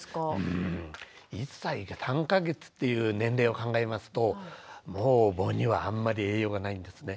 うん１歳３か月という年齢を考えますともう母乳はあんまり栄養がないんですね。